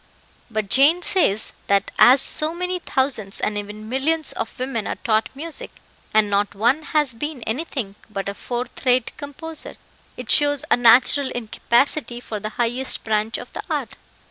"But Jane says, that as so many thousands and even millions of women are taught music, and not one has been anything but a fourth rate composer, it shows a natural incapacity for the highest branch of the art.